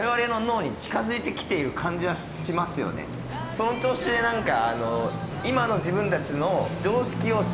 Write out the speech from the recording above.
その調子で何か。